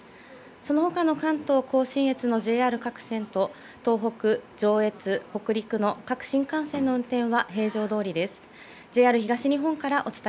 そのほかの関東甲信越のＪＲ各線と東北、上越、北陸の各新幹線の運行は平常どおりです。